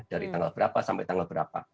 dari tanggal berapa sampai tanggal berapa